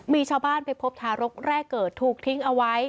มีชาวบ้านไปพบทารกแรกเกิดถูกทิ้งเอาไว้